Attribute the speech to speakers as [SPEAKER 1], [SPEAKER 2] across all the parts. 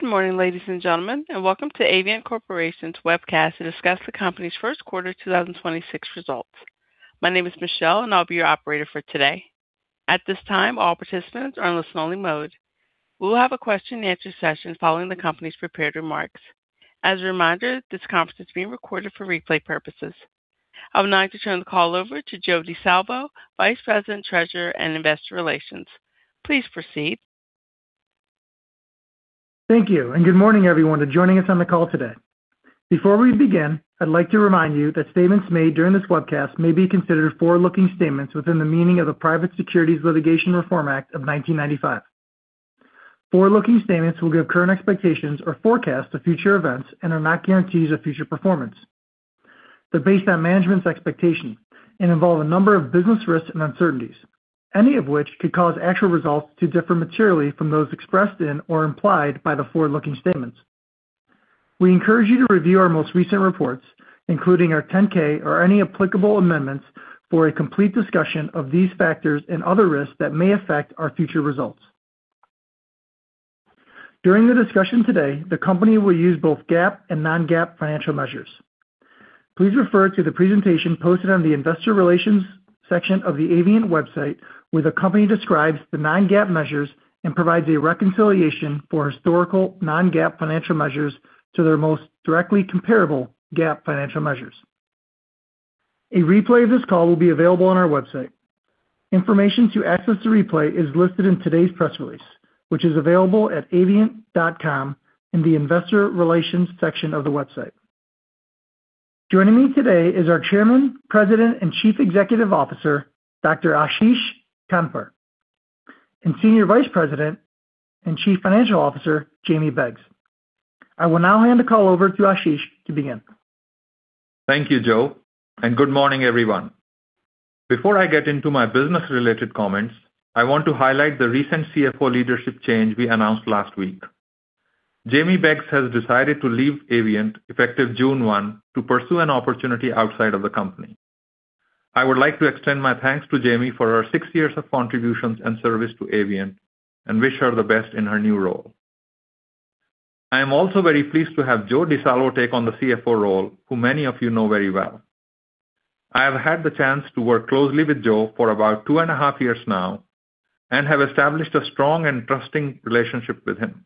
[SPEAKER 1] Good morning, ladies and gentlemen, and welcome to Avient Corporation's webcast to discuss the company's first quarter 2026 results. My name is Michelle, and I'll be your operator for today. At this time, all participants are in listen-only mode. We will have a question-and-answer session following the company's prepared remarks. As a reminder, this conference is being recorded for replay purposes. I would now like to turn the call over to Joe Di Salvo, Vice President, Treasurer, and Investor Relations. Please proceed.
[SPEAKER 2] Thank you, good morning, everyone who's joining us on the call today. Before we begin, I'd like to remind you that statements made during this webcast may be considered forward-looking statements within the meaning of the Private Securities Litigation Reform Act of 1995. Forward-looking statements will give current expectations or forecasts of future events and are not guarantees of future performance. They're based on management's expectations and involve a number of business risks and uncertainties, any of which could cause actual results to differ materially from those expressed in or implied by the forward-looking statements. We encourage you to review our most recent reports, including our 10-K or any applicable amendments, for a complete discussion of these factors and other risks that may affect our future results. During the discussion today, the company will use both GAAP and non-GAAP financial measures. Please refer to the presentation posted on the Investor Relations section of the Avient website, where the company describes the non-GAAP measures and provides a reconciliation for historical non-GAAP financial measures to their most directly comparable GAAP financial measures. A replay of this call will be available on our website. Information to access the replay is listed in today's press release, which is available at avient.com in the Investor Relations section of the website. Joining me today is our Chairman, President, and Chief Executive Officer, Ashish Khandpur, and Senior Vice President and Chief Financial Officer, Jamie Beggs. I will now hand the call over to Ashish to begin.
[SPEAKER 3] Thank you, Joe, and good morning, everyone. Before I get into my business-related comments, I want to highlight the recent CFO leadership change we announced last week. Jamie Beggs has decided to leave Avient effective June 1 to pursue an opportunity outside of the company. I would like to extend my thanks to Jamie for her six years of contributions and service to Avient and wish her the best in her new role. I am also very pleased to have Joe Di Salvo take on the CFO role, who many of you know very well. I have had the chance to work closely with Joe for about two and a half years now and have established a strong and trusting relationship with him.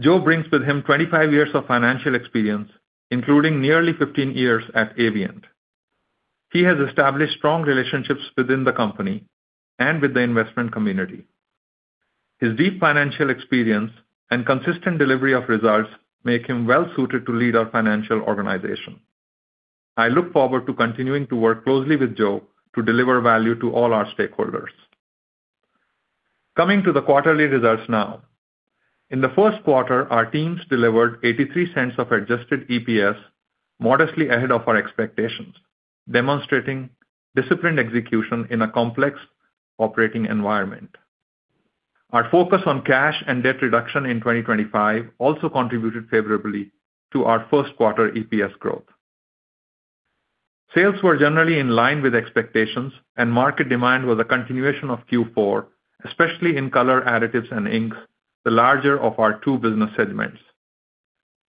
[SPEAKER 3] Joe brings with him 25 years of financial experience, including nearly 15 years at Avient. He has established strong relationships within the company and with the investment community. His deep financial experience and consistent delivery of results make him well suited to lead our financial organization. I look forward to continuing to work closely with Joe to deliver value to all our stakeholders. Coming to the quarterly results now. In the first quarter, our teams delivered $0.83 of adjusted EPS modestly ahead of our expectations, demonstrating disciplined execution in a complex operating environment. Our focus on cash and debt reduction in 2025 also contributed favorably to our first quarter EPS growth. Sales were generally in line with expectations, and market demand was a continuation of Q4, especially in Color, Additives and Inks, the larger of our two business segments.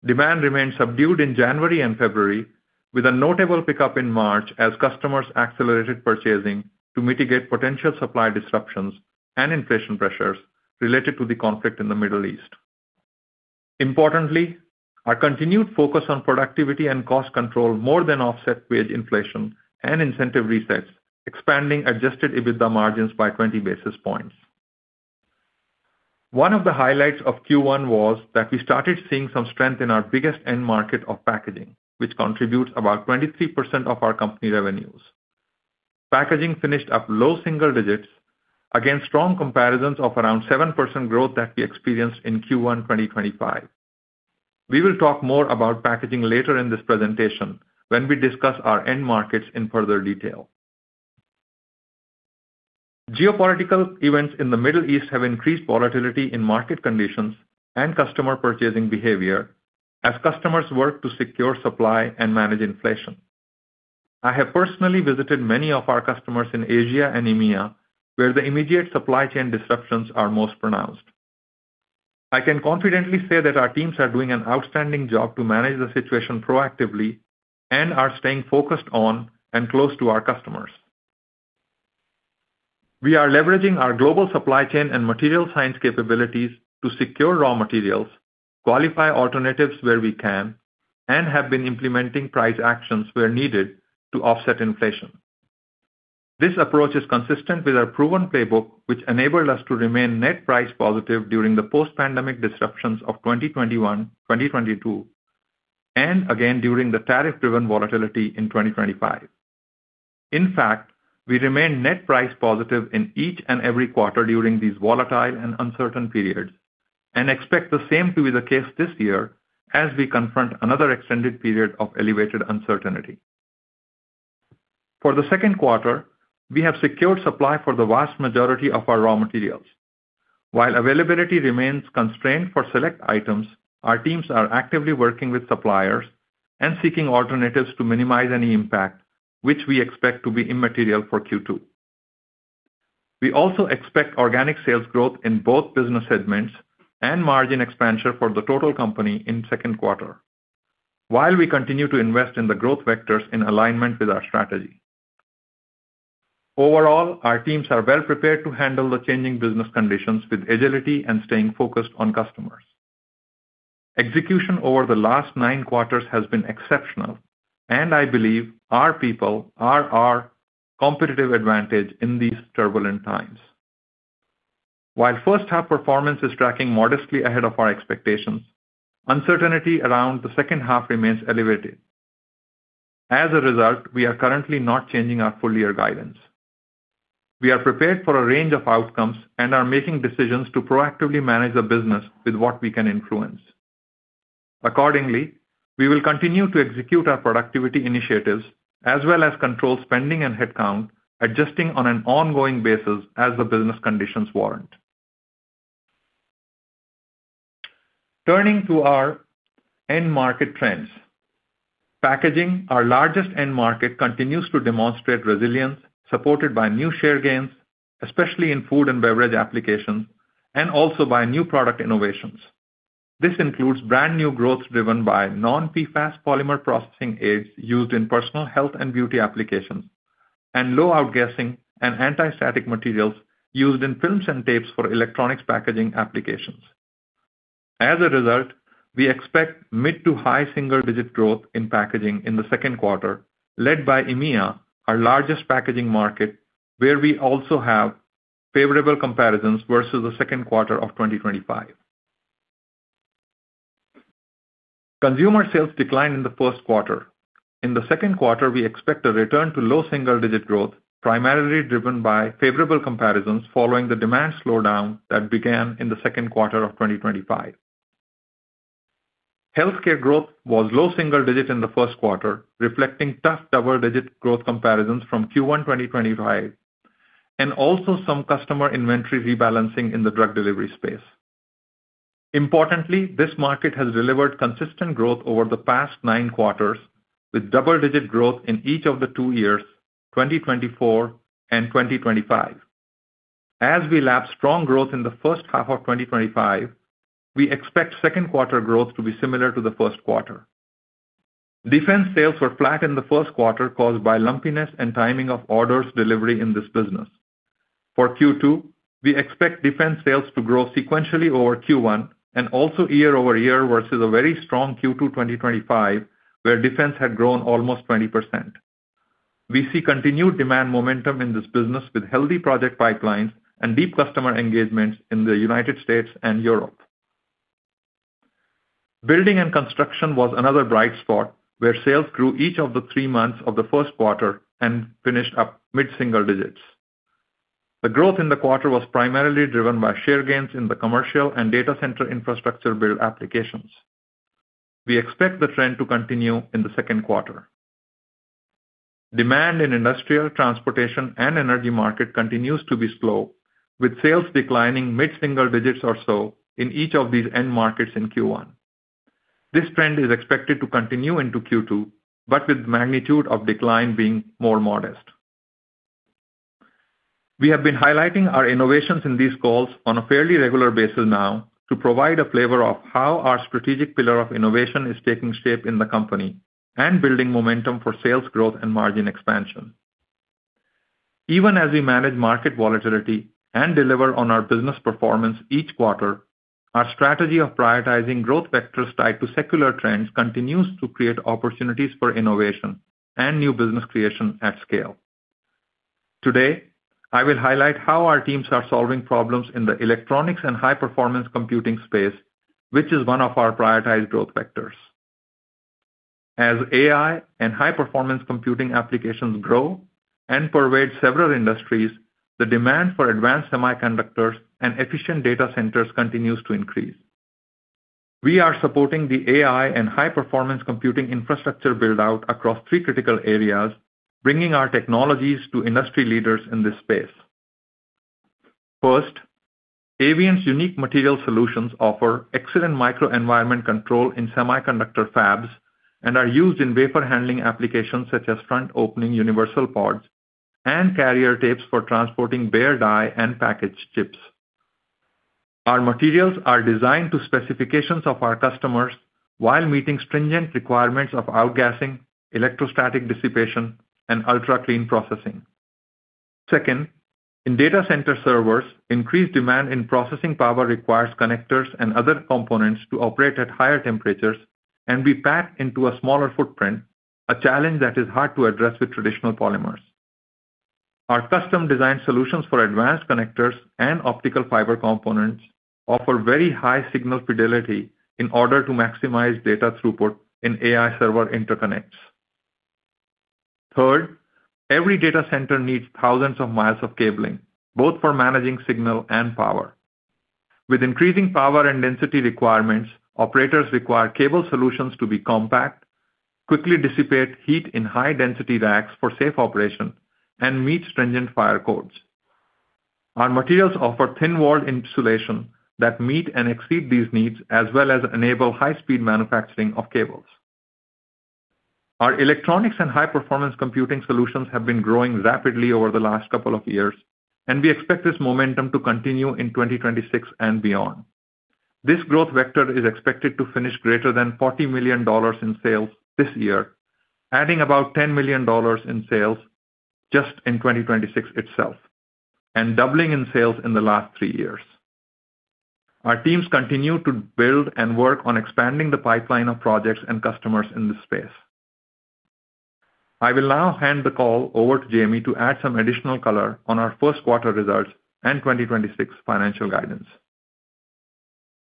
[SPEAKER 3] Demand remained subdued in January and February, with a notable pickup in March as customers accelerated purchasing to mitigate potential supply disruptions and inflation pressures related to the conflict in the Middle East. Importantly, our continued focus on productivity and cost control more than offset wage inflation and incentive resets, expanding adjusted EBITDA margins by 20 basis points. One of the highlights of Q1 was that we started seeing some strength in our biggest end market of packaging, which contributes about 23% of our company revenues. Packaging finished up low single digits against strong comparisons of around 7% growth that we experienced in Q1 2025. We will talk more about packaging later in this presentation when we discuss our end markets in further detail. Geopolitical events in the Middle East have increased volatility in market conditions and customer purchasing behavior as customers work to secure supply and manage inflation. I have personally visited many of our customers in Asia and EMEA, where the immediate supply chain disruptions are most pronounced. I can confidently say that our teams are doing an outstanding job to manage the situation proactively and are staying focused on and close to our customers. We are leveraging our global supply chain and material science capabilities to secure raw materials, qualify alternatives where we can, and have been implementing price actions where needed to offset inflation. This approach is consistent with our proven playbook, which enabled us to remain net price positive during the post-pandemic disruptions of 2021, 2022, and again during the tariff-driven volatility in 2025. In fact, we remain net price positive in each and every quarter during these volatile and uncertain periods and expect the same to be the case this year as we confront another extended period of elevated uncertainty. For the second quarter, we have secured supply for the vast majority of our raw materials. While availability remains constrained for select items, our teams are actively working with suppliers and seeking alternatives to minimize any impact, which we expect to be immaterial for Q2. We also expect organic sales growth in both business segments and margin expansion for the total company in second quarter, while we continue to invest in the growth vectors in alignment with our strategy. Overall, our teams are well prepared to handle the changing business conditions with agility and staying focused on customers. Execution over the last nine quarters has been exceptional, and I believe our people are our competitive advantage in these turbulent times. While first half performance is tracking modestly ahead of our expectations, uncertainty around the second half remains elevated. As a result, we are currently not changing our full year guidance. We are prepared for a range of outcomes and are making decisions to proactively manage the business with what we can influence. Accordingly, we will continue to execute our productivity initiatives as well as control spending and headcount, adjusting on an ongoing basis as the business conditions warrant. Turning to our end market trends. Packaging, our largest end market, continues to demonstrate resilience, supported by new share gains, especially in food and beverage applications, and also by new product innovations. This includes brand new growth driven by non-PFAS polymer processing aids used in personal health and beauty applications, and low outgassing and anti-static materials used in films and tapes for electronics packaging applications. As a result, we expect mid to high single-digit growth in packaging in the second quarter, led by EMEA, our largest packaging market, where we also have favorable comparisons versus the second quarter of 2025. Consumer sales declined in the first quarter. In the second quarter, we expect a return to low single-digit growth, primarily driven by favorable comparisons following the demand slowdown that began in the second quarter of 2025. Healthcare growth was low single-digit in the first quarter, reflecting tough double-digit growth comparisons from Q1 2025, and also some customer inventory rebalancing in the drug delivery space. Importantly, this market has delivered consistent growth over the past nine quarters, with double-digit growth in each of the two years, 2024 and 2025. As we lap strong growth in the first half of 2025, we expect second quarter growth to be similar to the first quarter. Defense sales were flat in the first quarter, caused by lumpiness and timing of orders delivery in this business. For Q2, we expect defense sales to grow sequentially over Q1 and also year-over-year versus a very strong Q2 2025, where defense had grown almost 20%. We see continued demand momentum in this business with healthy project pipelines and deep customer engagements in the U.S. and Europe. Building and construction was another bright spot, where sales grew each of the three months of the first quarter and finished up mid-single digits. The growth in the quarter was primarily driven by share gains in the commercial and data center infrastructure build applications. We expect the trend to continue in the second quarter. Demand in industrial, transportation, and energy market continues to be slow, with sales declining mid-single digits or so in each of these end markets in Q1. This trend is expected to continue into Q2, with magnitude of decline being more modest. We have been highlighting our innovations in these calls on a fairly regular basis now to provide a flavor of how our strategic pillar of innovation is taking shape in the company and building momentum for sales growth and margin expansion. Even as we manage market volatility and deliver on our business performance each quarter, our strategy of prioritizing growth vectors tied to secular trends continues to create opportunities for innovation and new business creation at scale. Today, I will highlight how our teams are solving problems in the electronics and high-performance computing space, which is one of our prioritized growth vectors. As AI and high-performance computing applications grow and pervade several industries, the demand for advanced semiconductors and efficient data centers continues to increase. We are supporting the AI and high-performance computing infrastructure build-out across three critical areas, bringing our technologies to industry leaders in this space. First, Avient's unique material solutions offer excellent microenvironment control in semiconductor fabs and are used in wafer handling applications such as Front Opening Universal Pods and carrier tapes for transporting bare die and packaged chips. Our materials are designed to specifications of our customers while meeting stringent requirements of outgassing, electrostatic dissipation, and ultra-clean processing. Second, in data center servers, increased demand in processing power requires connectors and other components to operate at higher temperatures and be packed into a smaller footprint, a challenge that is hard to address with traditional polymers. Our custom-designed solutions for advanced connectors and optical fiber components offer very high signal fidelity in order to maximize data throughput in AI server interconnects. Third, every data center needs thousands of miles of cabling, both for managing signal and power. With increasing power and density requirements, operators require cable solutions to be compact, quickly dissipate heat in high-density racks for safe operation, and meet stringent fire codes. Our materials offer thin-walled insulation that meet and exceed these needs, as well as enable high-speed manufacturing of cables. Our electronics and high-performance computing solutions have been growing rapidly over the last couple of years, and we expect this momentum to continue in 2026 and beyond. This growth vector is expected to finish greater than $40 million in sales this year, adding about $10 million in sales just in 2026 itself and doubling in sales in the last three years. Our teams continue to build and work on expanding the pipeline of projects and customers in this space. I will now hand the call over to Jamie to add some additional color on our first quarter results and 2026 financial guidance.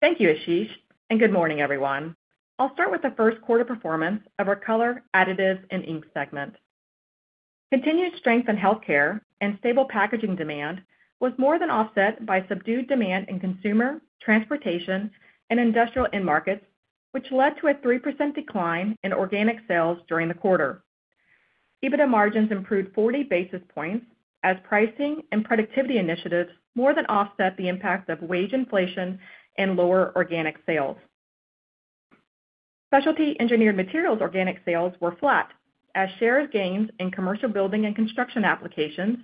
[SPEAKER 4] Thank you, Ashish, and good morning, everyone. I'll start with the first quarter performance of our Color, Additives, and Inks segment. Continued strength in healthcare and stable packaging demand was more than offset by subdued demand in consumer, transportation, and industrial end markets, which led to a 3% decline in organic sales during the quarter. EBITDA margins improved 40 basis points as pricing and productivity initiatives more than offset the impacts of wage inflation and lower organic sales. Specialty Engineered Materials organic sales were flat as shares gains in commercial building and construction applications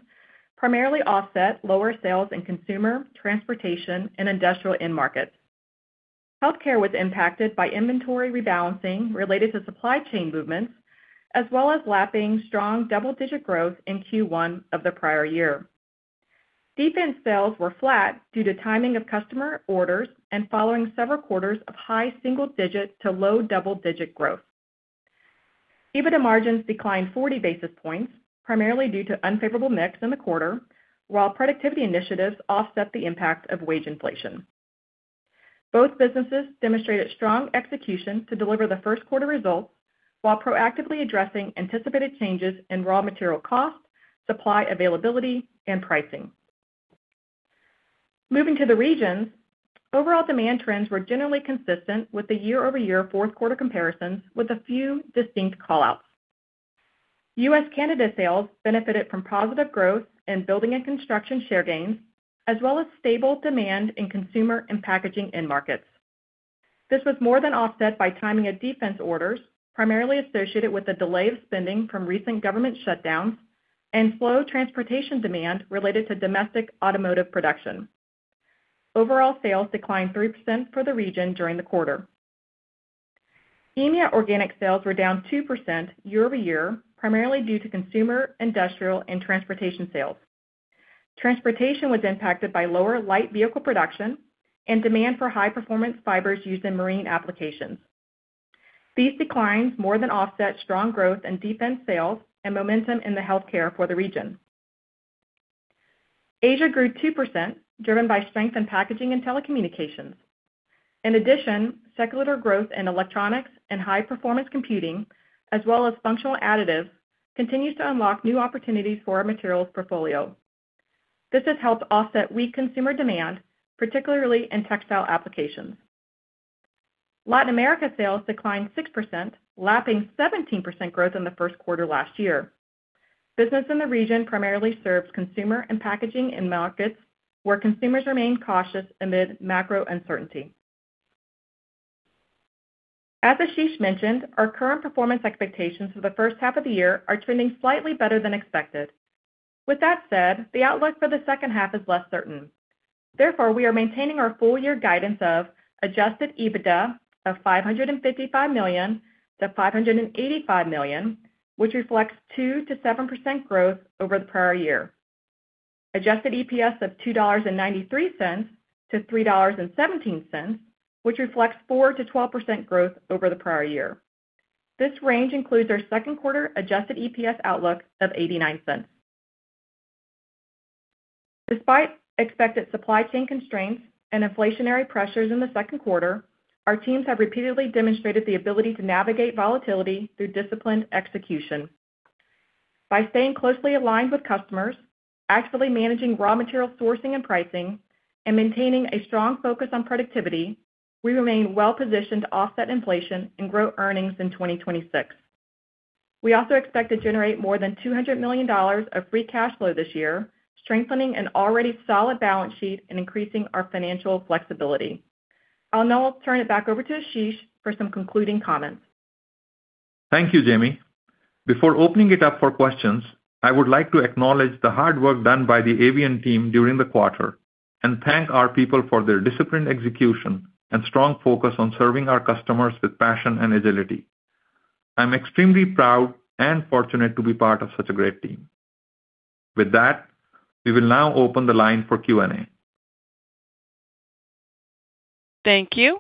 [SPEAKER 4] primarily offset lower sales in consumer, transportation, and industrial end markets. Healthcare was impacted by inventory rebalancing related to supply chain movements, as well as lapping strong double-digit growth in Q1 of the prior year. Defense sales were flat due to timing of customer orders and following several quarters of high single-digit to low double-digit growth. EBITDA margins declined 40 basis points, primarily due to unfavorable mix in the quarter, while productivity initiatives offset the impact of wage inflation. Both businesses demonstrated strong execution to deliver the first quarter results while proactively addressing anticipated changes in raw material costs, supply availability, and pricing. Moving to the regions, overall demand trends were generally consistent with the year-over-year fourth quarter comparisons with a few distinct call-outs. U.S.-Canada sales benefited from positive growth in building and construction share gains, as well as stable demand in consumer and packaging end markets. This was more than offset by timing of defense orders, primarily associated with the delay of spending from recent government shutdowns and slow transportation demand related to domestic automotive production. Overall sales declined 3% for the region during the quarter. EMEA organic sales were down 2% year-over-year, primarily due to consumer, industrial, and transportation sales. Transportation was impacted by lower light vehicle production and demand for high-performance fibers used in marine applications. These declines more than offset strong growth in defense sales and momentum in the healthcare for the region. Asia grew 2%, driven by strength in packaging and telecommunications. In addition, secular growth in electronics and high-performance computing, as well as functional additives, continues to unlock new opportunities for our materials portfolio. This has helped offset weak consumer demand, particularly in textile applications. Latin America sales declined 6%, lapping 17% growth in the first quarter last year. Business in the region primarily serves consumer and packaging end markets, where consumers remain cautious amid macro uncertainty. As Ashish mentioned, our current performance expectations for the first half of the year are trending slightly better than expected. With that said, the outlook for the second half is less certain. We are maintaining our full year guidance of adjusted EBITDA of $555 million to $585 million, which reflects 2%-7% growth over the prior year. Adjusted EPS of $2.93-$3.17, which reflects 4%-12% growth over the prior year. This range includes our second quarter adjusted EPS outlook of $0.89. Despite expected supply chain constraints and inflationary pressures in the second quarter, our teams have repeatedly demonstrated the ability to navigate volatility through disciplined execution. By staying closely aligned with customers, actively managing raw material sourcing and pricing, and maintaining a strong focus on productivity, we remain well-positioned to offset inflation and grow earnings in 2026. We also expect to generate more than $200 million of free cash flow this year, strengthening an already solid balance sheet and increasing our financial flexibility. I'll now turn it back over to Ashish for some concluding comments.
[SPEAKER 3] Thank you, Jamie. Before opening it up for questions, I would like to acknowledge the hard work done by the Avient team during the quarter and thank our people for their disciplined execution and strong focus on serving our customers with passion and agility. I'm extremely proud and fortunate to be part of such a great team. With that, we will now open the line for Q&A.
[SPEAKER 1] Thank you.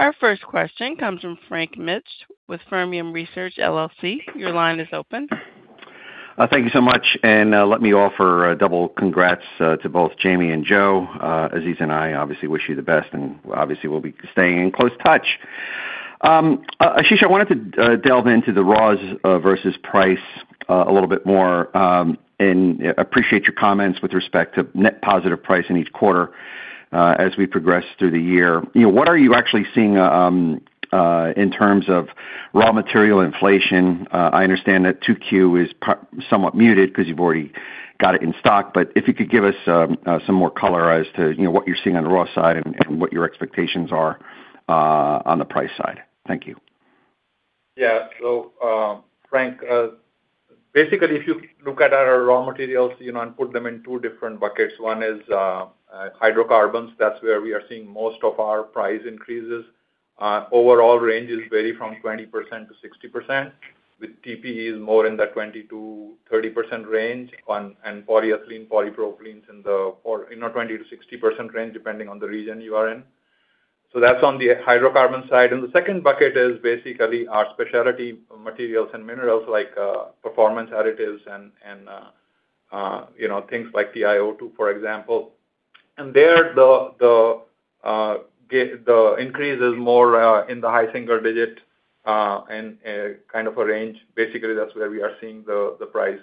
[SPEAKER 1] Our first question comes from Frank Mitsch with Fermium Research, LLC. Your line is open.
[SPEAKER 5] Thank you so much, let me offer a double congrats to both Jamie and Joe. Ashish and I obviously wish you the best, we'll be staying in close touch. Ashish, I wanted to delve into the raws versus price a little bit more, appreciate your comments with respect to net positive price in each quarter. As we progress through the year, you know, what are you actually seeing in terms of raw material inflation? I understand that 2Q is somewhat muted because you've already got it in stock. If you could give us some more color as to, you know, what you're seeing on the raw side and what your expectations are on the price side. Thank you.
[SPEAKER 3] Frank, basically, if you look at our raw materials, you know, and put them in two different buckets. One is hydrocarbons. That's where we are seeing most of our price increases. Overall ranges vary from 20%-60%, with TPEs more in the 20%-30% range, and polyethylene, polypropylenes in the, you know, 20%-60% range, depending on the region you are in. That's on the hydrocarbon side. The second bucket is basically our specialty materials and minerals like performance additives and, you know, things like TiO2, for example. There, the increase is more in the high single digit and kind of a range. Basically, that's where we are seeing the price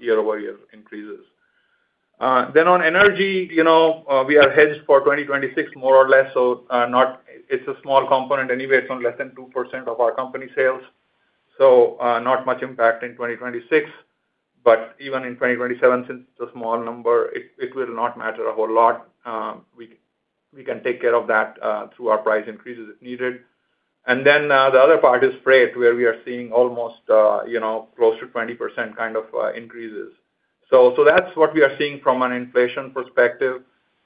[SPEAKER 3] year-over-year increases. Then on energy, you know, we are hedged for 2026 more or less, it's a small component anyway. It's on less than 2% of our company sales, not much impact in 2026. Even in 2027, since it's a small number, it will not matter a whole lot. We can take care of that through our price increases if needed. Then the other part is freight, where we are seeing almost, you know, close to 20% kind of increases. That's what we are seeing from an inflation perspective.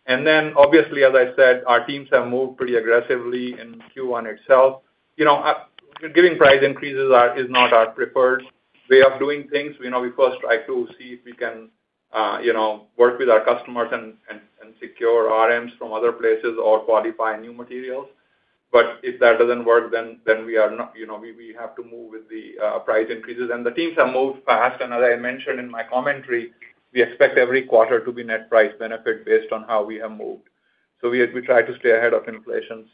[SPEAKER 3] Then obviously, as I said, our teams have moved pretty aggressively in Q1 itself. You know, giving price increases is not our preferred way of doing things. You know, we first try to see if we can, you know, work with our customers and secure RMs from other places or qualify new materials. If that doesn't work, then we have to move with the price increases. The teams have moved fast. As I mentioned in my commentary, we expect every quarter to be net price benefit based on how we have moved. We try to stay ahead of inflation.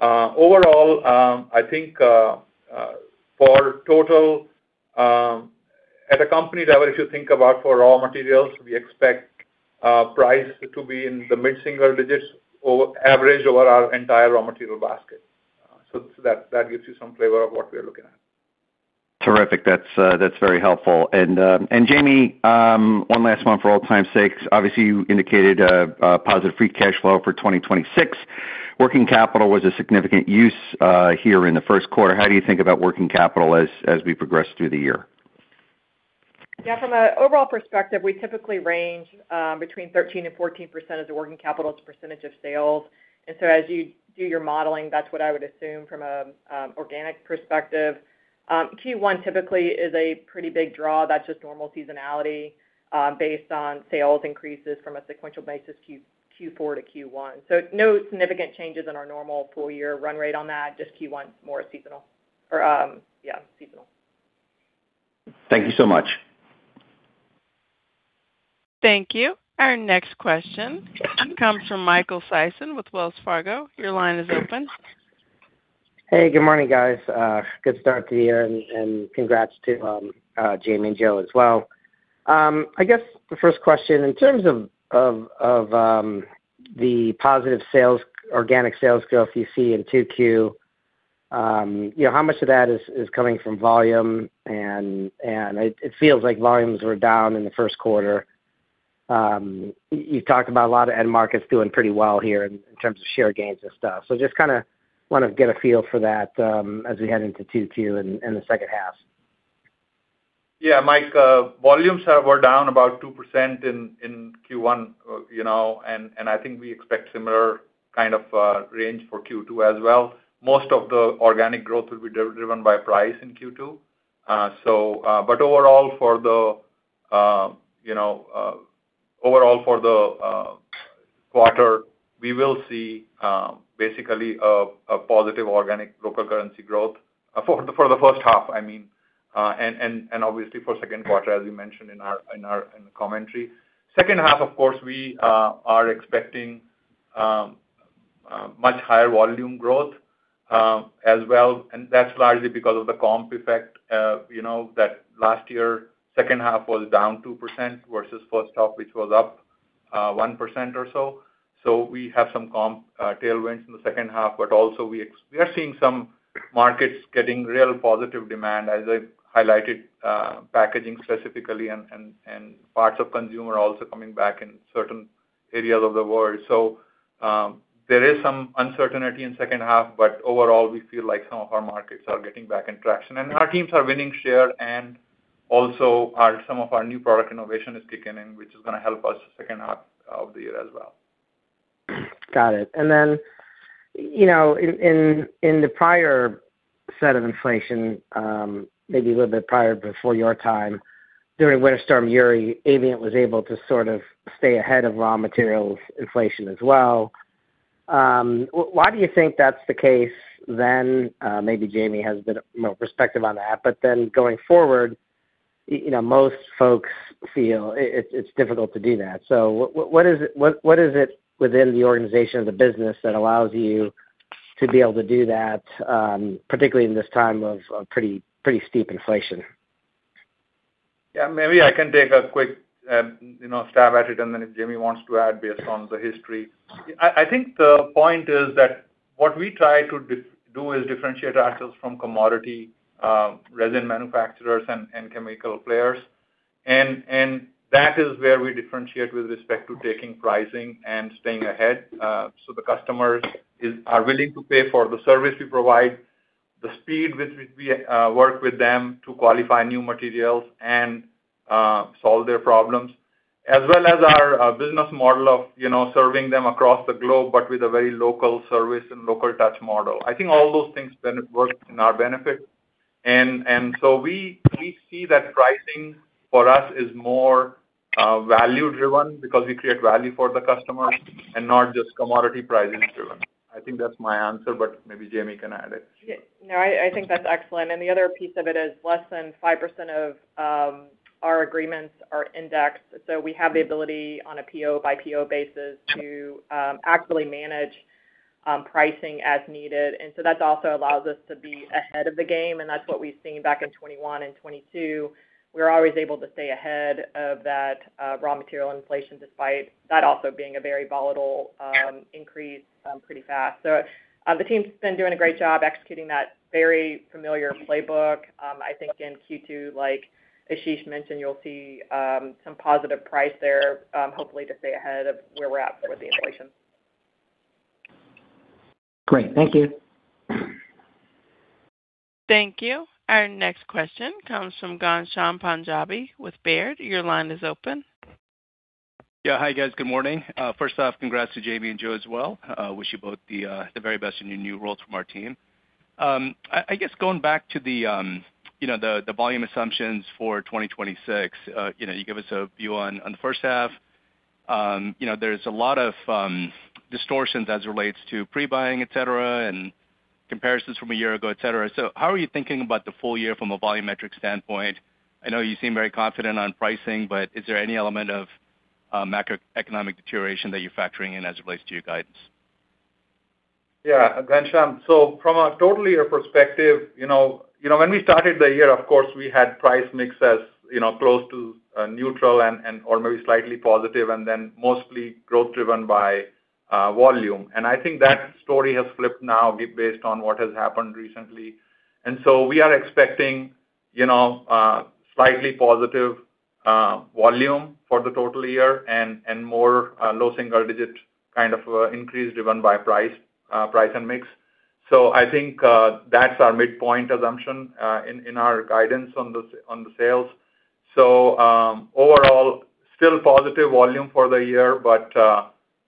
[SPEAKER 3] Overall, I think for total, at a company level, if you think about for raw materials, we expect price to be in the mid-single digits average over our entire raw material basket. That gives you some flavor of what we are looking at.
[SPEAKER 5] Terrific. That's very helpful. Jamie, one last one for old times' sake. Obviously, you indicated a positive free cash flow for 2026. Working capital was a significant use here in the first quarter. How do you think about working capital as we progress through the year?
[SPEAKER 4] Yeah. From an overall perspective, we typically range between 13% and 14% of the working capital as a percentage of sales. As you do your modeling, that's what I would assume from an organic perspective. Q1 typically is a pretty big draw. That's just normal seasonality, based on sales increases from a sequential basis Q4 to Q1. No significant changes in our normal full year run rate on that, just Q1's more seasonal or, yeah, seasonal.
[SPEAKER 5] Thank you so much.
[SPEAKER 1] Thank you. Our next question comes from Michael Sison with Wells Fargo. Your line is open.
[SPEAKER 6] Hey, good morning, guys. Good start to the year, and congrats to Jamie and Joe as well. I guess the 1st question, in terms of the positive sales, organic sales growth you see in 2Q, you know, how much of that is coming from volume? It feels like volumes were down in the first quarter. You talked about a lot of end markets doing pretty well here in terms of share gains and stuff. Just kinda wanna get a feel for that as we head into 2Q and the second half.
[SPEAKER 3] Mike, volumes were down about 2% in Q1, you know, and I think we expect similar kind of range for Q2 as well. Most of the organic growth will be driven by price in Q2. Overall for the quarter, we will see, basically, a positive organic local currency growth for the first half, I mean, and obviously for second quarter, as we mentioned in our commentary. Second half, of course, we are expecting much higher volume growth as well, and that's largely because of the comp effect, you know, that last year second half was down 2% versus first half, which was up 1% or so. We have some comp tailwinds in the second half, but also we are seeing some markets getting real positive demand, as I highlighted, packaging specifically and parts of consumer also coming back in certain areas of the world. There is some uncertainty in second half, but overall, we feel like some of our markets are getting back in traction. Our teams are winning share, and also some of our new product innovation is kicking in, which is gonna help us second half of the year as well.
[SPEAKER 6] Got it. You know, in the prior set of inflation, maybe a little bit prior before your time, during Winter Storm Uri, Avient was able to sort of stay ahead of raw materials inflation as well. Why do you think that's the case then? Maybe Jamie has a bit more perspective on that. Going forward, you know, most folks feel it's difficult to do that. What is it within the organization of the business that allows you to be able to do that, particularly in this time of pretty steep inflation?
[SPEAKER 3] Yeah, maybe I can take a quick, you know, stab at it, and then if Jamie wants to add based on the history. I think the point is that what we try to do is differentiate ourselves from commodity resin manufacturers and chemical players. That is where we differentiate with respect to taking pricing and staying ahead. The customers are willing to pay for the service we provide, the speed with which we work with them to qualify new materials and solve their problems, as well as our business model of, you know, serving them across the globe, but with a very local service and local touch model. I think all those things work in our benefit. So we see that pricing for us is more value driven because we create value for the customer and not just commodity pricing driven. I think that's my answer, but maybe Jamie can add it.
[SPEAKER 4] Yeah. No, I think that's excellent. The other piece of it is less than 5% of our agreements are indexed. We have the ability on a PO by PO basis to actively manage pricing as needed. That's also allows us to be ahead of the game, and that's what we've seen back in 2021 and 2022. We're always able to stay ahead of that raw material inflation despite that also being a very volatile increase pretty fast. The team's been doing a great job executing that very familiar playbook. I think in Q2, like Ashish mentioned, you'll see some positive price there, hopefully to stay ahead of where we're at with the inflation.
[SPEAKER 6] Great. Thank you.
[SPEAKER 1] Thank you. Our next question comes from Ghansham Panjabi with Baird. Your line is open.
[SPEAKER 7] Yeah. Hi, guys. Good morning. First off, congrats to Jamie and Joe as well. Wish you both the very best in your new roles from our team. I guess going back to the, you know, the volume assumptions for 2026, you know, you give us a view on the first half. You know, there's a lot of distortions as it relates to pre-buying, et cetera, and comparisons from a year ago, et cetera. How are you thinking about the full year from a volume metric standpoint? I know you seem very confident on pricing, is there any element of macroeconomic deterioration that you're factoring in as it relates to your guidance?
[SPEAKER 3] Yeah. Ghansham, from a total year perspective, you know, when we started the year, of course, we had price mix as, you know, close to neutral and or maybe slightly positive, then mostly growth driven by volume. I think that story has flipped now based on what has happened recently. We are expecting, you know, slightly positive volume for the total year and more low single digit kind of increase driven by price and mix. I think that's our midpoint assumption in our guidance on the sales. Overall, still positive volume for the year, but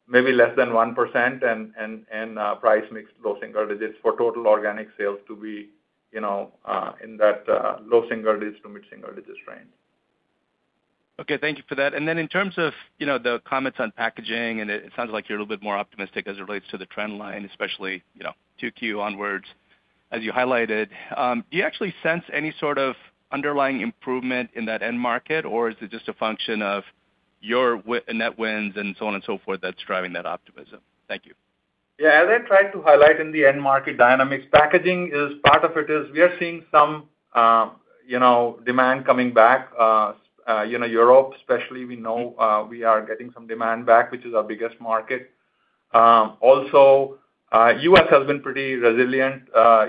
[SPEAKER 3] maybe less than 1% and price mix low single digits for total organic sales to be, you know, in that low single digits to mid-single digits range.
[SPEAKER 7] Okay. Thank you for that. In terms of, you know, the comments on packaging, and it sounds like you're a little bit more optimistic as it relates to the trend line, especially, you know, 2Q onwards, as you highlighted. Do you actually sense any sort of underlying improvement in that end market, or is it just a function of your net wins and so on and so forth that's driving that optimism? Thank you.
[SPEAKER 3] Yeah. As I tried to highlight in the end market dynamics, packaging is part of it, is we are seeing some, you know, demand coming back. You know, Europe, especially, we know, we are getting some demand back, which is our biggest market. Also, U.S. has been pretty resilient,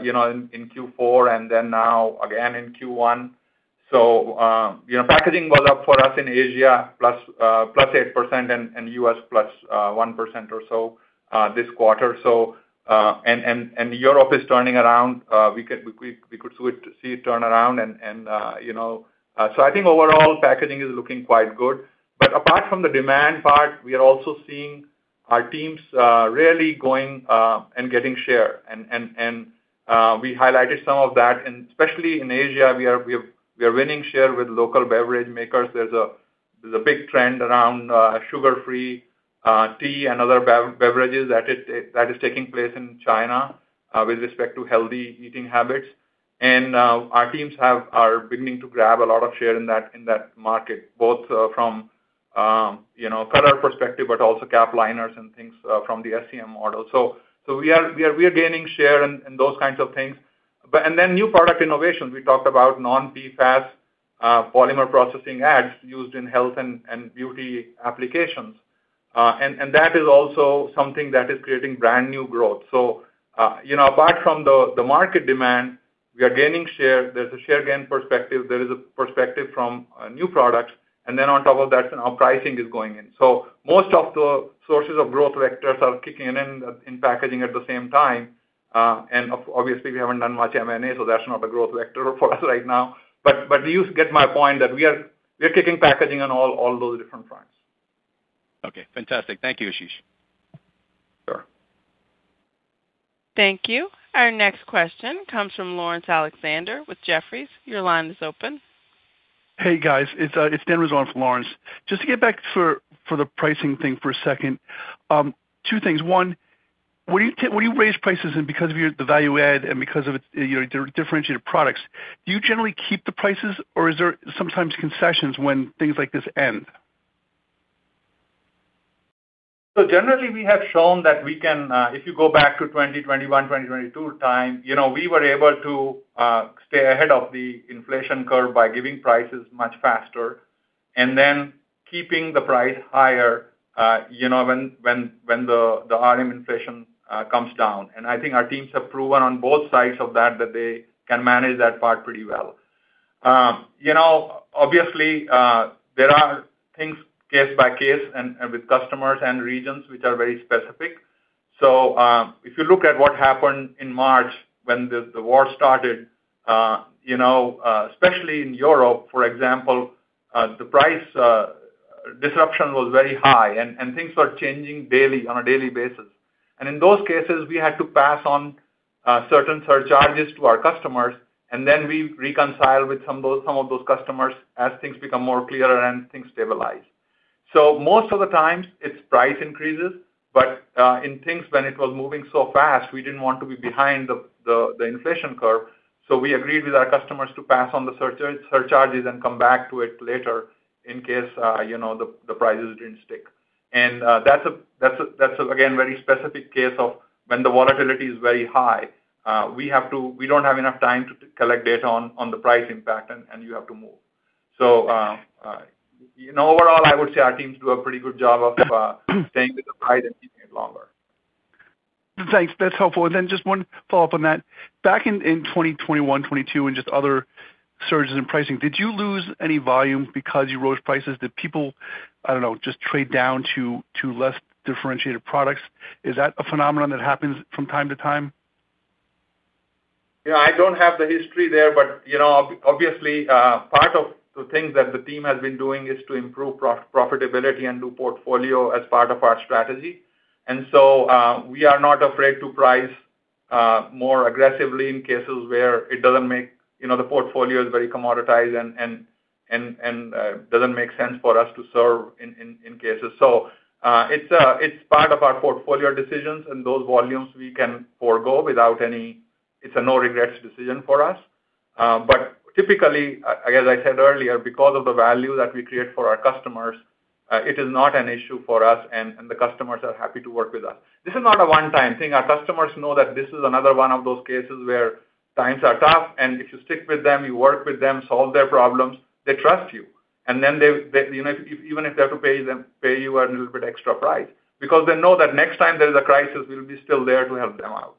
[SPEAKER 3] you know, in Q4 and then now again in Q1. Packaging was up for us in Asia, +8%, and U.S. +1% or so, this quarter. And Europe is turning around. We could see it turn around and, you know. I think overall, packaging is looking quite good. Apart from the demand part, we are also seeing our teams really going and getting share. We highlighted some of that. Especially in Asia, we are winning share with local beverage makers. There's a big trend around sugar-free tea and other beverages that is taking place in China with respect to healthy eating habits. Our teams are beginning to grab a lot of share in that market, both from, you know, color perspective, but also cap liners and things from the SEM. We are gaining share in those kinds of things. New product innovations. We talked about non-PFAS polymer processing aids used in health and beauty applications. And that is also something that is creating brand new growth. You know, apart from the market demand, we are gaining share. There's a share gain perspective. There is a perspective from new products. On top of that, our pricing is going in. Most of the sources of growth vectors are kicking in packaging at the same time. Obviously, we haven't done much M&A, so that's not a growth vector for us right now. But you get my point that we are kicking packaging on all those different fronts.
[SPEAKER 7] Okay. Fantastic. Thank you, Ashish.
[SPEAKER 3] Sure.
[SPEAKER 1] Thank you. Our next question comes from Laurence Alexander with Jefferies. Your line is open.
[SPEAKER 8] Hey, guys. It's Dan Fannon for Laurence. Just to get back for the pricing thing for a second. Two things. One, when you raise prices and because of your the value add and because of it, you know, your differentiated products, do you generally keep the prices, or is there sometimes concessions when things like this end?
[SPEAKER 3] Generally, we have shown that we can, if you go back to 2021, 2022 time, you know, we were able to stay ahead of the inflation curve by giving prices much faster and then keeping the price higher, you know, when, when the RM inflation comes down. I think our teams have proven on both sides of that they can manage that part pretty well. You know, obviously, there are things case by case and with customers and regions, which are very specific. If you look at what happened in March when the war started, you know, especially in Europe, for example, the price disruption was very high and things were changing daily on a daily basis. In those cases, we had to pass on certain surcharges to our customers, and then we reconcile with some of those customers as things become more clearer and things stabilize. Most of the times it's price increases, but in things when it was moving so fast, we didn't want to be behind the, the inflation curve. We agreed with our customers to pass on the surcharges and come back to it later in case, you know, the prices didn't stick. That's again, very specific case of when the volatility is very high, we don't have enough time to collect data on the price impact, and you have to move. You know, overall, I would say our teams do a pretty good job of staying with the price and keeping it longer.
[SPEAKER 8] Thanks. That's helpful. Just one follow-up on that. Back in 2021, 2022, and just other surges in pricing, did you lose any volume because you raised prices? Did people, I don't know, just trade down to less differentiated products? Is that a phenomenon that happens from time to time?
[SPEAKER 3] I don't have the history there, but, you know, obviously, part of the things that the team has been doing is to improve profitability and do portfolio as part of our strategy. We are not afraid to price more aggressively in cases where it doesn't make, you know, the portfolio is very commoditized and doesn't make sense for us to serve in cases. It's part of our portfolio decisions and those volumes we can forego without any. It's a no regrets decision for us. Typically, as I said earlier, because of the value that we create for our customers, it is not an issue for us and the customers are happy to work with us. This is not a one-time thing. Our customers know that this is another one of those cases where times are tough, and if you stick with them, you work with them, solve their problems, they trust you. Then they, you know, even if they have to pay you a little bit extra price because they know that next time there's a crisis, we'll be still there to help them out.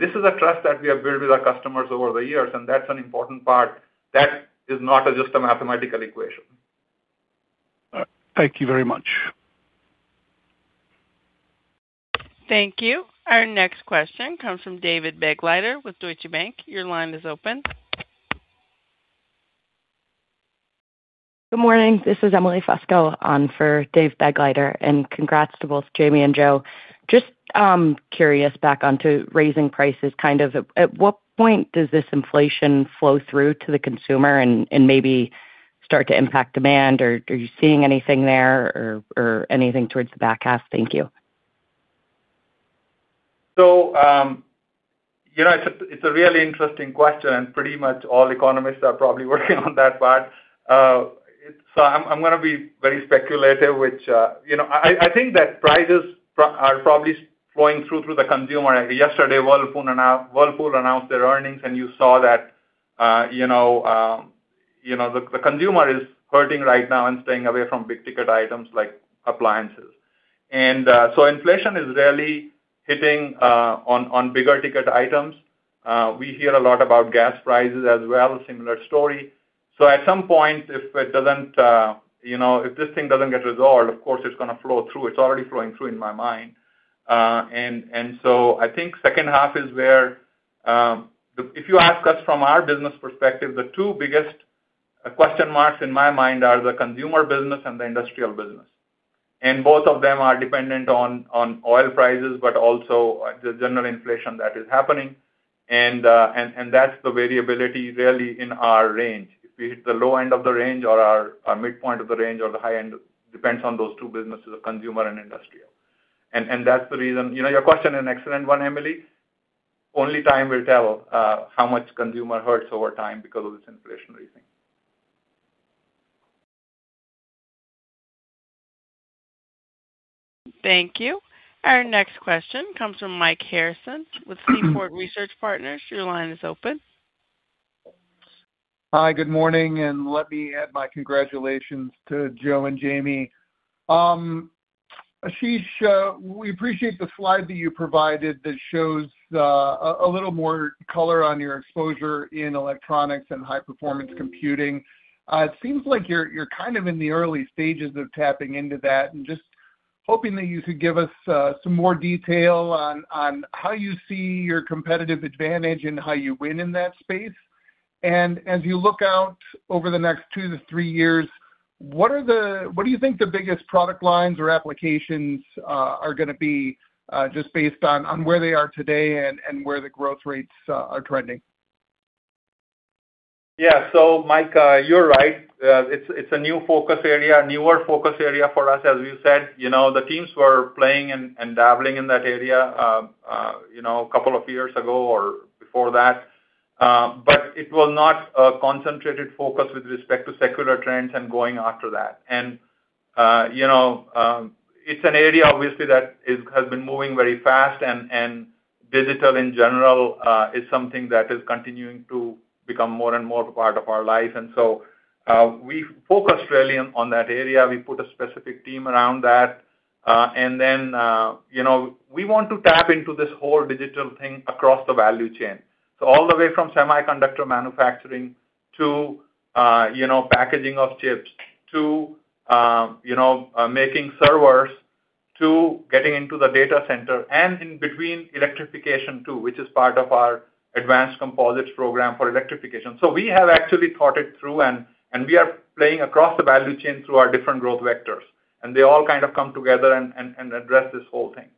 [SPEAKER 3] This is a trust that we have built with our customers over the years, and that's an important part. That is not just a mathematical equation.
[SPEAKER 8] Thank you very much.
[SPEAKER 1] Thank you. Our next question comes from David Begleiter with Deutsche Bank. Your line is open.
[SPEAKER 9] Good morning. This is Emily Fusco on for David Begleiter, congrats to both Jamie and Joe. Just curious back onto raising prices, kind of at what point does this inflation flow through to the consumer and maybe start to impact demand or are you seeing anything there or anything towards the back half? Thank you.
[SPEAKER 3] You know, it's a really interesting question. Pretty much all economists are probably working on that part. I'm gonna be very speculative, which, you know, I think that prices are probably flowing through to the consumer. Yesterday, Whirlpool announced their earnings, you saw that, you know, you know, the consumer is hurting right now and staying away from big-ticket items like appliances. Inflation is really hitting on bigger-ticket items. We hear a lot about gas prices as well, similar story. At some point, if it doesn't, you know, if this thing doesn't get resolved, of course it's gonna flow through. It's already flowing through in my mind. I think second half is where, if you ask us from our business perspective, the two biggest question marks in my mind are the consumer business and the industrial business. Both of them are dependent on oil prices, but also the general inflation that is happening. That's the variability really in our range. If we hit the low end of the range or our midpoint of the range or the high end depends on those two businesses, the consumer and industrial. That's the reason. You know, your question is an excellent one, Emily. Only time will tell how much consumer hurts over time because of this inflation raising.
[SPEAKER 1] Thank you. Our next question comes from Mike Harrison with Seaport Research Partners. Your line is open.
[SPEAKER 10] Hi, good morning. Let me add my congratulations to Joe and Jamie. Ashish, we appreciate the slide that you provided that shows a little more color on your exposure in electronics and high-performance computing. It seems like you're kind of in the early stages of tapping into that and just hoping that you could give us some more detail on how you see your competitive advantage and how you win in that space. As you look out over the next two to three years, what do you think the biggest product lines or applications are going to be just based on where they are today and where the growth rates are trending?
[SPEAKER 3] Yeah. Mike, you're right. It's a new focus area, a newer focus area for us. As we said, you know, the teams were playing and dabbling in that area two years ago or before that. It will not, concentrated focus with respect to secular trends and going after that. It's an area obviously that has been moving very fast and digital in general is something that is continuing to become more and more part of our life. We focus really on that area. We put a specific team around that. We want to tap into this whole digital thing across the value chain. All the way from semiconductor manufacturing to, you know, packaging of chips, to, you know, making servers, to getting into the data center and in between electrification too, which is part of our advanced composites program for electrification. We have actually thought it through and we are playing across the value chain through our different growth vectors, and they all kind of come together and address this whole thing.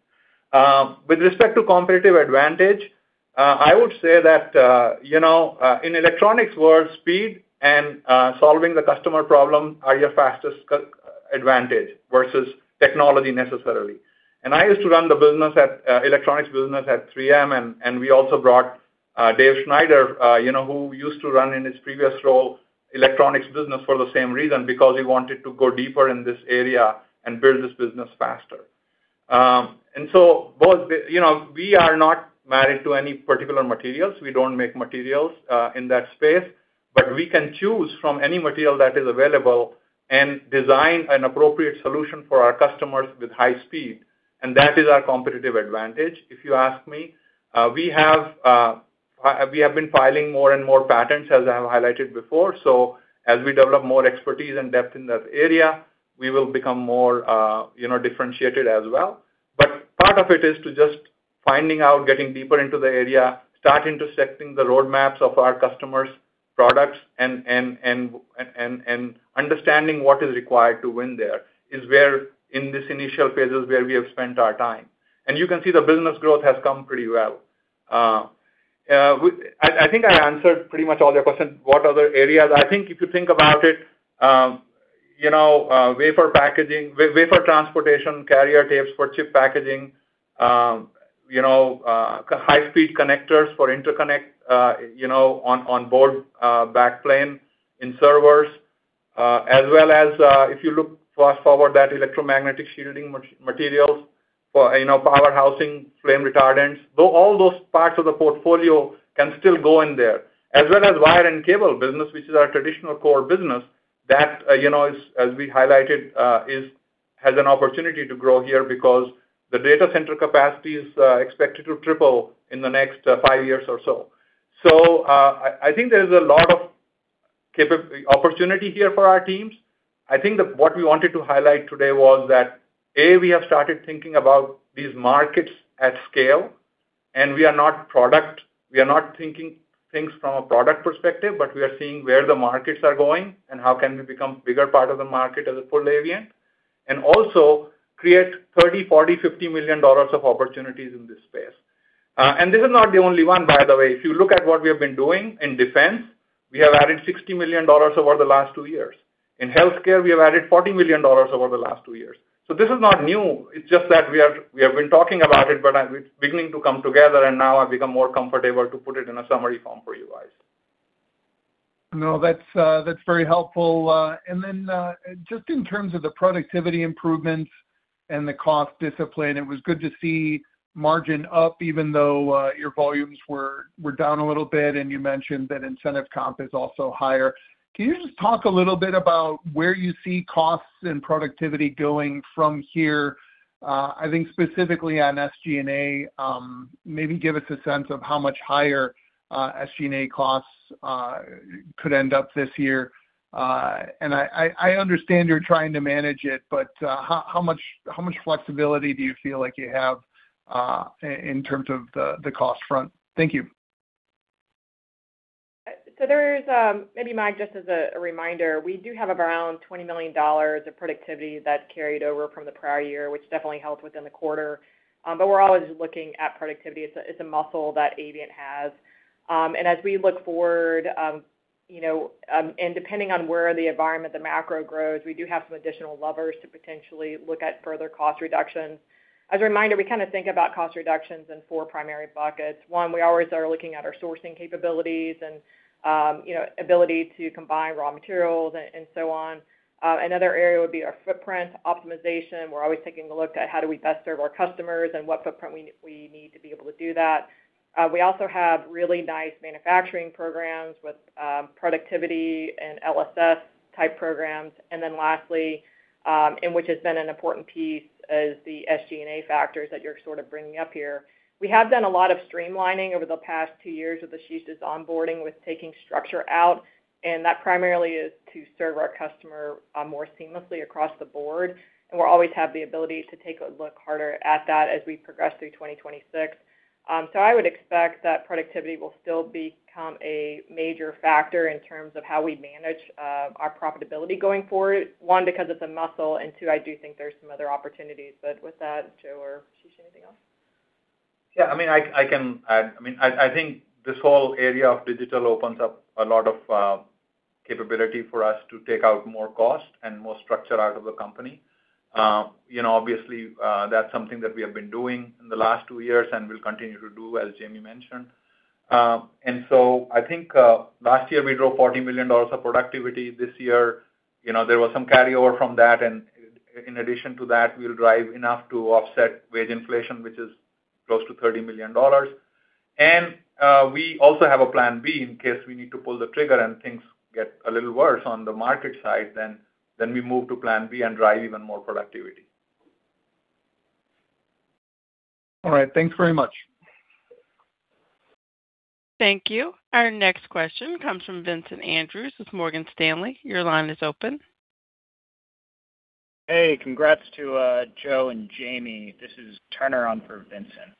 [SPEAKER 3] With respect to competitive advantage, I would say that, you know, in electronics world, speed and solving the customer problem are your fastest competitive advantage versus technology necessarily. I used to run the business at electronics business at 3M, and we also brought Dave Schneider, you know, who used to run in his previous role, electronics business for the same reason, because he wanted to go deeper in this area and build this business faster. You know, we are not married to any particular materials. We don't make materials in that space, but we can choose from any material that is available and design an appropriate solution for our customers with high speed. That is our competitive advantage, if you ask me. We have been filing more and more patents, as I have highlighted before. As we develop more expertise and depth in that area, we will become more, you know, differentiated as well. Part of it is to just finding out, getting deeper into the area, start intersecting the roadmaps of our customers' products and understanding what is required to win there is where in these initial phases where we have spent our time. You can see the business growth has come pretty well. I think I answered pretty much all your questions. What other areas? I think if you think about it, you know, wafer packaging, wafer transportation, carrier tapes for chip packaging, you know, high speed connectors for interconnect, you know, on board, back plane in servers. As well as, if you look fast forward that electromagnetic shielding materials for, you know, power housing, flame retardants. Though all those parts of the portfolio can still go in there. As well as wire and cable business, which is our traditional core business, that, you know, is, as we highlighted, has an opportunity to grow here because the data center capacity is expected to triple in the next five years or so. I think there's a lot of opportunity here for our teams. I think that what we wanted to highlight today was that, A. we have started thinking about these markets at scale, and we are not product. We are not thinking things from a product perspective, but we are seeing where the markets are going and how can we become bigger part of the market as a full Avient, and also create $30 million, $40 million, $50 million of opportunities in this space. This is not the only one, by the way. If you look at what we have been doing in defense, we have added $60 million over the last two years. In healthcare, we have added $40 million over the last two years. This is not new. It's just that we have been talking about it, but it's beginning to come together, and now I've become more comfortable to put it in a summary form for you guys.
[SPEAKER 10] No, that's very helpful. Then, just in terms of the productivity improvements and the cost discipline, it was good to see margin up, even though your volumes were down a little bit, and you mentioned that incentive comp is also higher. Can you just talk a little bit about where you see costs and productivity going from here? I think specifically on SG&A, maybe give us a sense of how much higher SG&A costs could end up this year. And I, I understand you're trying to manage it, but how much flexibility do you feel like you have in terms of the cost front? Thank you.
[SPEAKER 4] There is, maybe, Mike, just as a reminder, we do have around $20 million of productivity that carried over from the prior year, which definitely helped within the quarter. We're always looking at productivity. It's a muscle that Avient has. As we look forward, you know, and depending on where the environment, the macro grows, we do have some additional levers to potentially look at further cost reductions. As a reminder, we kinda think about cost reductions in four primary buckets. One, we always are looking at our sourcing capabilities and, you know, ability to combine raw materials and so on. Another area would be our footprint optimization. We're always taking a look at how do we best serve our customers and what footprint we need to be able to do that. We also have really nice manufacturing programs with productivity and LSS type programs. Lastly, which has been an important piece is the SG&A factors that you're sort of bringing up here. We have done a lot of streamlining over the past two years with Ashish's onboarding with taking structure out, and that primarily is to serve our customer more seamlessly across the board. We always have the ability to take a look harder at that as we progress through 2026. I would expect that productivity will still become a major factor in terms of how we manage our profitability going forward. One, because it's a muscle, and two, I do think there's some other opportunities. With that, Joe or Ashish, anything else?
[SPEAKER 3] I mean, I can add. I mean, I think this whole area of digital opens up a lot of capability for us to take out more cost and more structure out of the company. You know, obviously, that's something that we have been doing in the last two years and will continue to do, as Jamie mentioned. I think last year we drove $40 million of productivity. This year, you know, there was some carryover from that. In addition to that, we'll drive enough to offset wage inflation, which is close to $30 million. We also have a plan B in case we need to pull the trigger and things get a little worse on the market side, then we move to plan B and drive even more productivity.
[SPEAKER 10] All right. Thanks very much.
[SPEAKER 1] Thank you. Our next question comes from Vincent Andrews with Morgan Stanley. Your line is open.
[SPEAKER 11] Hey, congrats to Joe and Jamie. This is Turner on for Vincent.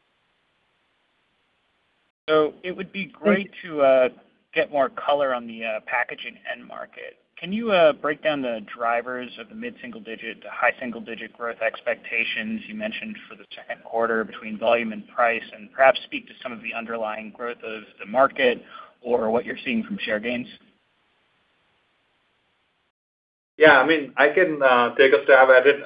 [SPEAKER 11] It would be great to get more color on the packaging end market. Can you break down the drivers of the mid-single-digit to high-single-digit growth expectations you mentioned for the second quarter between volume and price, and perhaps speak to some of the underlying growth of the market or what you're seeing from share gains?
[SPEAKER 3] Yeah, I mean, I can take a stab at it.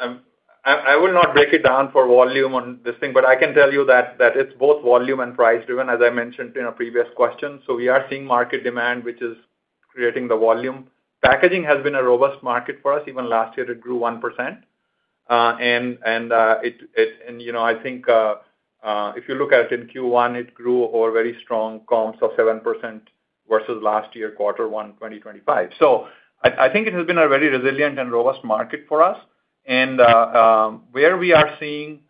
[SPEAKER 3] I will not break it down for volume on this thing, but I can tell you that it's both volume and price-driven, as I mentioned in a previous question. We are seeing market demand, which is creating the volume. Packaging has been a robust market for us. Even last year, it grew 1%. You know, I think if you look at in Q1, it grew over very strong comps of 7% versus last year, Q1 2025. I think it has been a very resilient and robust market for us. Where we are seeing,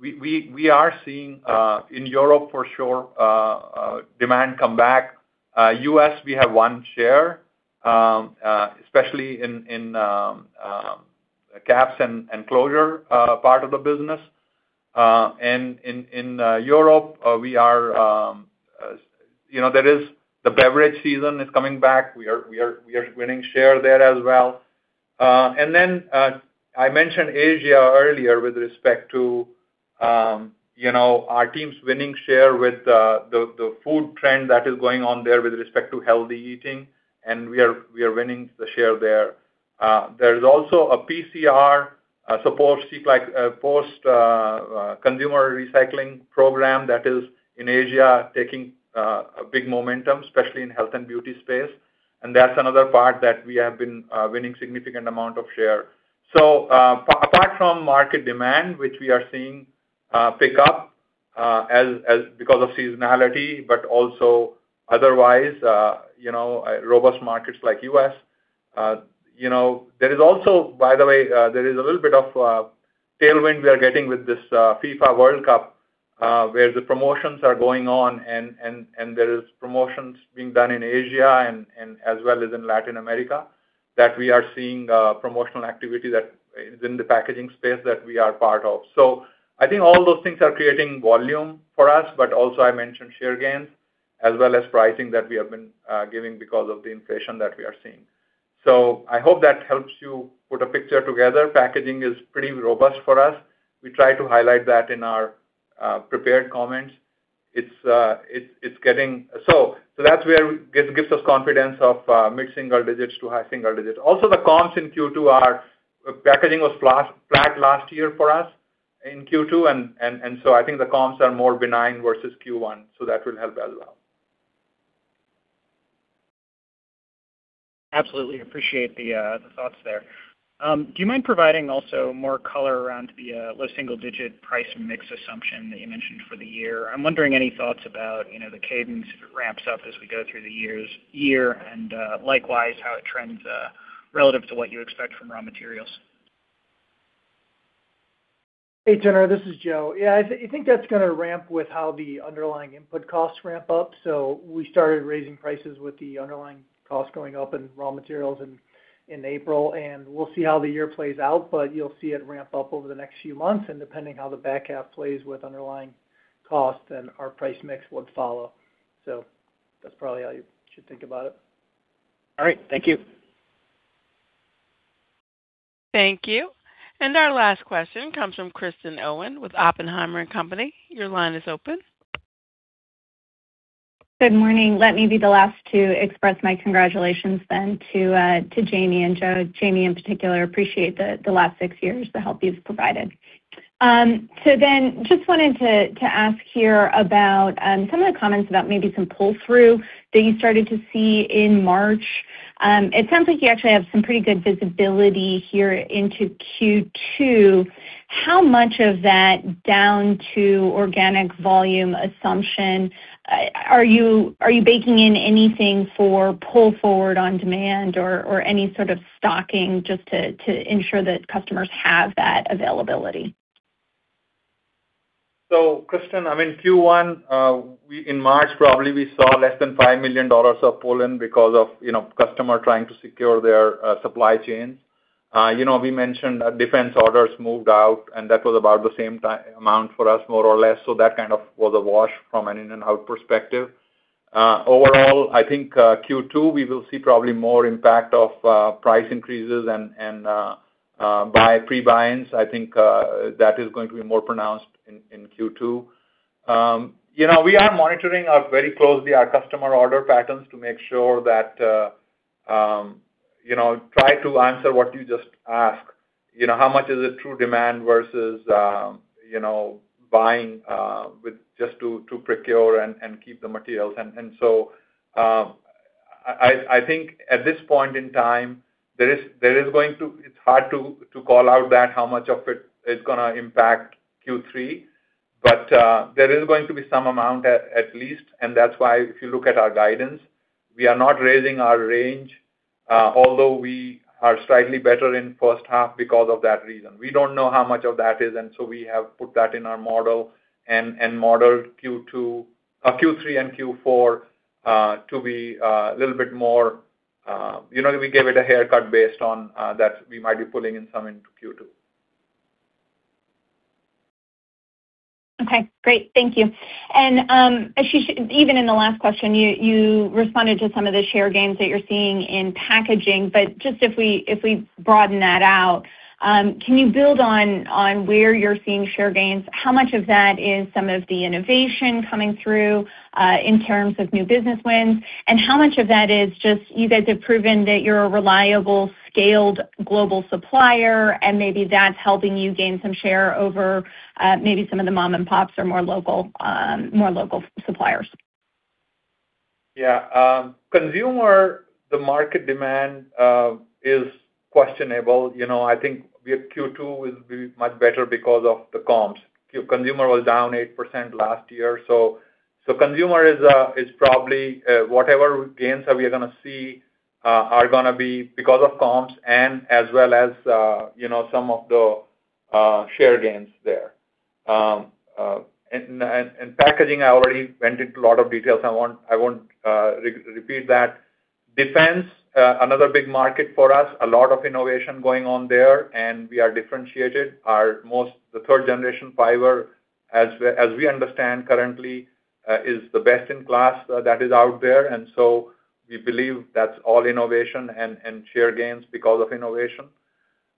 [SPEAKER 3] we are seeing in Europe for sure, demand come back. U.S., we have one share especially in caps and closure part of the business. In Europe, you know, there is the beverage season is coming back. We are winning share there as well. I mentioned Asia earlier with respect to, you know, our teams winning share with the food trend that is going on there with respect to healthy eating, we are winning the share there. There is also a PCR support, see like post consumer recycling program that is in Asia taking a big momentum, especially in health and beauty space. That's another part that we have been winning significant amount of share. Apart from market demand, which we are seeing pick up as because of seasonality, but also otherwise, you know, robust markets like U.S. You know, there is also by the way, there is a little bit of tailwind we are getting with this FIFA World Cup, where the promotions are going on, and there is promotions being done in Asia and as well as in Latin America, that we are seeing promotional activity that is in the packaging space that we are part of. I think all those things are creating volume for us. Also I mentioned share gains as well as pricing that we have been giving because of the inflation that we are seeing. I hope that helps you put a picture together. Packaging is pretty robust for us. We try to highlight that in our prepared comments. That's where it gives us confidence of mid-single digits to high single digits. The comps in Q2 packaging was flat last year for us in Q2, I think the comps are more benign versus Q1, so that will help as well.
[SPEAKER 11] Absolutely. Appreciate the thoughts there. Do you mind providing also more color around the low single-digit price mix assumption that you mentioned for the year? I'm wondering any thoughts about, you know, the cadence, if it ramps up as we go through the year and, likewise, how it trends relative to what you expect from raw materials.
[SPEAKER 2] Hey, Turner, this is Joe. Yeah, I think that's gonna ramp with how the underlying input costs ramp up. We started raising prices with the underlying costs going up in raw materials in April, and we'll see how the year plays out, but you'll see it ramp up over the next few months. Depending how the back half plays with underlying costs, our price mix would follow. That's probably how you should think about it.
[SPEAKER 11] All right. Thank you.
[SPEAKER 1] Thank you. Our last question comes from Kristen Owen with Oppenheimer & Co.. Your line is open.
[SPEAKER 12] Good morning. Let me be the last to express my congratulations then to Jamie and Joe. Jamie, in particular, appreciate the last six years, the help you've provided. Just wanted to ask here about some of the comments about maybe some pull-through that you started to see in March. It sounds like you actually have some pretty good visibility here into Q2. How much of that down to organic volume assumption? Are you baking in anything for pull forward on demand or any sort of stocking just to ensure that customers have that availability?
[SPEAKER 3] Kristen, I mean, Q1, in March probably, we saw less than $5 million of pull-in because of, you know, customer trying to secure their supply chain. You know, we mentioned defense orders moved out, and that was about the same amount for us, more or less. That kind of was a wash from an in and out perspective. Overall, I think Q2, we will see probably more impact of price increases and pre-buys. I think that is going to be more pronounced in Q2. You know, we are monitoring very closely our customer order patterns to make sure that, you know, try to answer what you just asked. You know, how much is it true demand versus, you know, buying with just to procure and keep the materials. I think at this point in time, it's hard to call out that how much of it is gonna impact Q3. There is going to be some amount at least, and that's why if you look at our guidance, we are not raising our range, although we are slightly better in first half because of that reason. We don't know how much of that is, we have put that in our model and modeled Q2, Q3 and Q4 to be a little bit more. You know, we gave it a haircut based on that we might be pulling in some into Q2.
[SPEAKER 12] Okay, great. Thank you. Ashish, even in the last question, you responded to some of the share gains that you're seeing in packaging. Just if we broaden that out, can you build on where you're seeing share gains? How much of that is some of the innovation coming through in terms of new business wins? How much of that is just you guys have proven that you're a reliable, scaled global supplier, and maybe that's helping you gain some share over maybe some of the mom and pops or more local, more local suppliers?
[SPEAKER 3] Consumer, the market demand is questionable. You know, I think we have Q2 will be much better because of the comps. Consumer was down 8% last year. Consumer is probably whatever gains that we are gonna see are gonna be because of comps and as well as, you know, some of the share gains there. Packaging, I already went into a lot of details. I won't re-repeat that. Defense, another big market for us. A lot of innovation going on there, we are differentiated. The third generation fiber, as we understand currently, is the best-in-class that is out there. We believe that's all innovation and share gains because of innovation.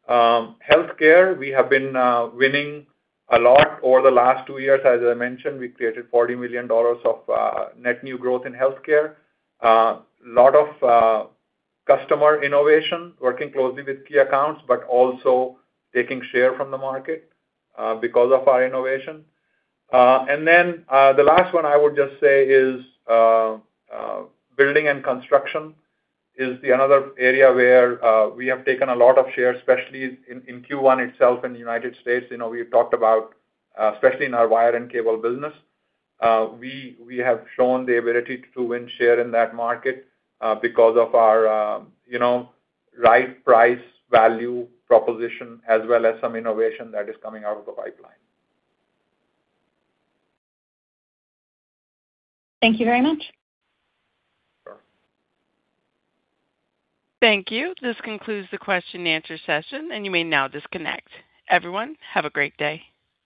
[SPEAKER 3] Healthcare, we have been winning a lot over the last two years. As I mentioned, we created $40 million of net new growth in healthcare. Lot of customer innovation, working closely with key accounts, but also taking share from the market because of our innovation. The last one I would just say is building and construction is another area where we have taken a lot of share, especially in Q1 itself in the U.S. You know, we talked about especially in our wire and cable business. We have shown the ability to win share in that market because of our, you know, right price value proposition as well as some innovation that is coming out of the pipeline.
[SPEAKER 12] Thank you very much.
[SPEAKER 3] Sure.
[SPEAKER 1] Thank you. This concludes the question and answer session, and you may now disconnect. Everyone, have a great day.